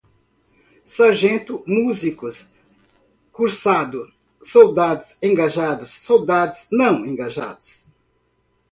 Sargentos músicos, cursado, soldados engajados, soldados não engajados